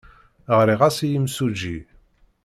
Ɣriɣ-as i yimsujji.